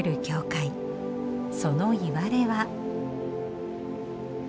そのいわれは。